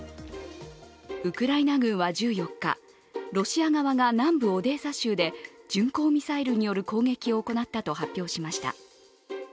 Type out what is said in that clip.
ウクライナ軍は１４日、ロシア側が南部オデーサ州で巡航ミサイルによる攻撃を行ったと発表しました。